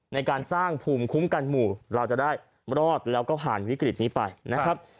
ในการสร้างภูมิคุ้มกันหมู่เราจะได้รอดแล้วก็ผ่านวิกฤตนี้ไปนะครับ